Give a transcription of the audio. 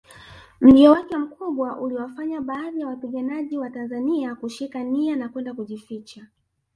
Mlio wake mkubwa uliwafanya baadhi ya wapiganaji watanzania kushika nia na kwenda kujificha